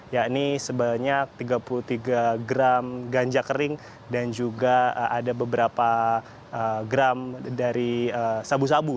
yakni sebanyak tiga puluh tiga gram ganja kering dan juga ada beberapa gram dari sabu sabu